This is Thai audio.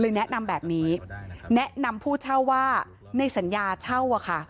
แนะนำแบบนี้แนะนำผู้เช่าว่าในสัญญาเช่าอะค่ะ